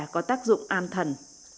có tác dụng an thần